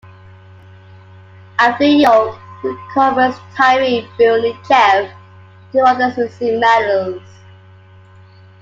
After Yorke recovers, Tyree, Boone, Jeff and two others receive medals.